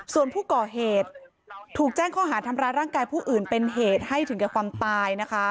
ส่วนผู้ก่อเหตุถูกแจ้งข้อหาทำร้ายร่างกายผู้อื่นเป็นเหตุให้ถึงแก่ความตายนะคะ